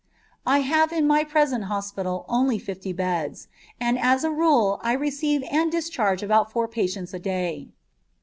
I have in my present hospital only fifty beds, and as a rule I receive and discharge about four patients a day.